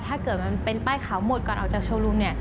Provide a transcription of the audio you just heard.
ถ้าเกิดมันเป็นป้ายขาวหมดก่อนออกจากโชว์รูมเนี่ย